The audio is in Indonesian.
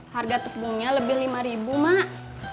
harga tepungnya lebih rp lima mak